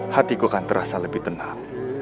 hatiku akan terasa lebih tenang